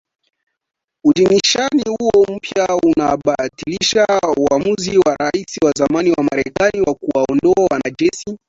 Uidhinishaji huo mpya unabatilisha uamuzi wa Rais wa zamani wa Marekani wa kuwaondoa wanajeshi ambao walikuwa wametumwa Somalia